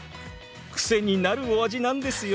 癖になるお味なんですよ。